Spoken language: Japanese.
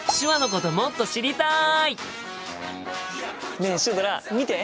ねえシュドラ見て！